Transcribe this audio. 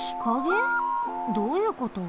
どういうこと？